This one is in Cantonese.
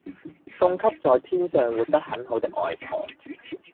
送給在天上活得很好的外婆